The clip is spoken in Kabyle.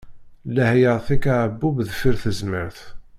Lleh yeɛṭi-k aɛebbuḍ deffir tezmert!